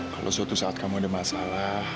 kalau suatu saat kamu ada masalah